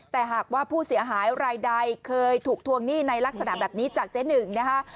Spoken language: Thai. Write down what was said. แต่หากว่าผู้เสียหายรายใดเคยถูกทวงหนี้ในลักษณะแบบนี้จากเจ๊หนึ่งนะคะ